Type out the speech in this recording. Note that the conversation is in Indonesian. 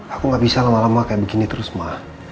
aku gak bisa lama lama kayak begini terus mah